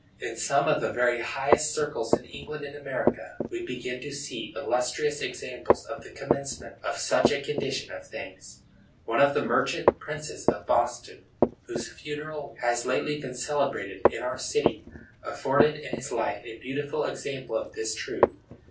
In some of the very highest circles in England and America we begin to see illustrious examples of the commencement of such a condition of things. One of the merchant princes of Boston, whose funeral has lately been celebrated in our city, afforded in his life a beautiful example of this truth.